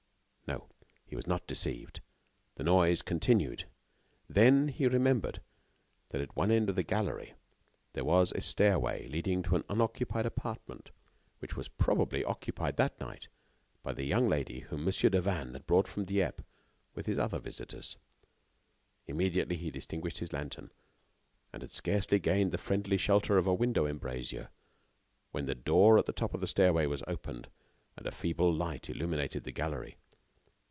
No, he was not deceived. The noise continued. Then he remembered that, at one end of the gallery, there was a stairway leading to an unoccupied apartment, but which was probably occupied that night by the young lady whom Mon. Devanne had brought from Dieppe with his other visitors. Immediately he extinguished his lantern, and had scarcely gained the friendly shelter of a window embrasure, when the door at the top of the stairway was opened and a feeble light illuminated the gallery.